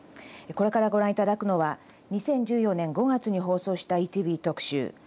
これからご覧頂くのは２０１４年５月に放送した「ＥＴＶ特集」。